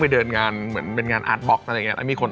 มาเราคุยกันสองคนดีกว่า